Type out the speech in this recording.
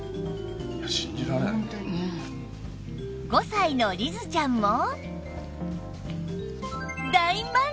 ５歳の季樹ちゃんも